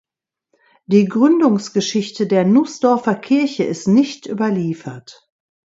Die Gründungsgeschichte der Nußdorfer Kirche ist nicht überliefert.